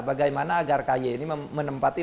bagaimana agar ky ini menempati